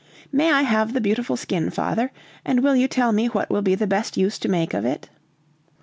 "May I have the beautiful skin, father? And will you tell me what will be the best use to make of it?"